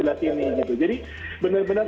ini jadi benar benar